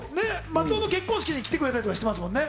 松尾の結婚式に来てくれたりとかしてますもんね。